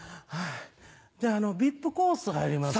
じゃあビップコース入ります。